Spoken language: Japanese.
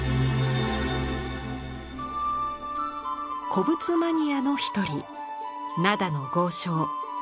古物マニアの一人灘の豪商吉田道可。